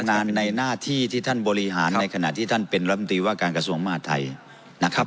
งานในหน้าที่ที่ท่านบริหารในขณะที่ท่านเป็นรัฐมนตรีว่าการกระทรวงมหาดไทยนะครับ